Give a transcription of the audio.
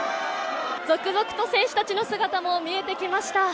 続々と選手たちの姿も見えてきました。